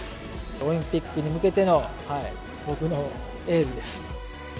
オリンピックに向けての僕のエールです。